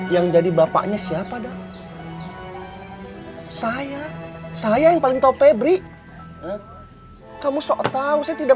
yang jadi bapaknya siapa dah saya saya yang paling tau febri kamu sok tau saya tidak